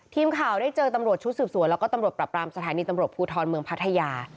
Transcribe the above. ทีมข่าวได้เจอตำรวจชุดสืบสวนแล้วก็ตำรวจปรับรามสถานีตำรวจภูทรเมืองพัทยา